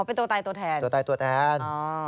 เป็นตัวตายตัวแทนตัวตายตัวแทน